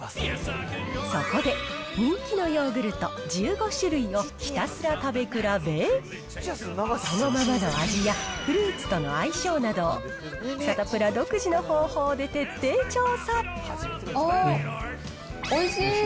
そこで、人気のヨーグルト１５種類をひたすら食べ比べ、そのままの味やフルーツとの相性など、あー、おいしい。